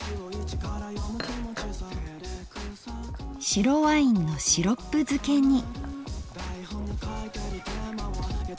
白ワインのシロップ漬けに。